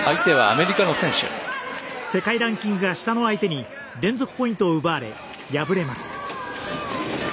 世界ランキングが下の相手に連続ポイントを奪われ敗れます。